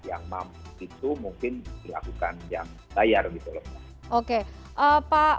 yang mampu itu mungkin dilakukan yang layar